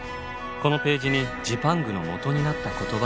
このページに「ジパング」の元になった言葉が書かれています。